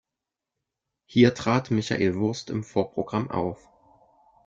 Hier trat Michael Wurst im Vorprogramm auf.